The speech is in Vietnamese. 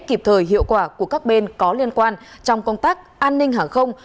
kịp thời hiệu quả của các bên có liên quan trong công tác an ninh hàng không